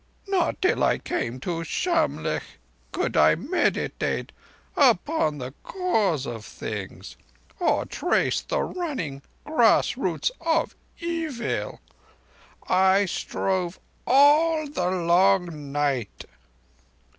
Not till I came to Shamlegh could I meditate upon the Cause of Things, or trace the running grass roots of Evil. I strove all the long night."